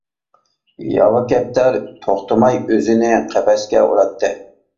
ياۋا كەپتەر توختىماي ئۆزىنى قەپەسكە ئۇراتتى.